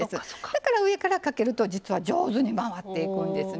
だから上からかけると実は上手に回っていくんですね。